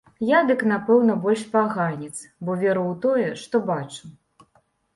Я дык, напэўна, больш паганец, бо веру ў тое, што бачу.